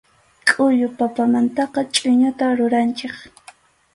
Khullu papamantaqa chʼuñuta ruranchik.